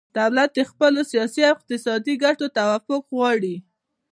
دولت د خپلو سیاسي او اقتصادي ګټو توافق غواړي